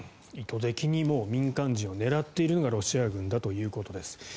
意図的に民間人を狙っているのがロシア軍だということです。